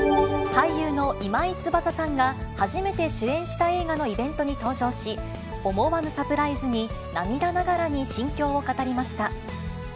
俳優の今井翼さんが、初めて主演した映画のイベントに登場し、思わぬサプライズに、涙ながらに心境を語りました。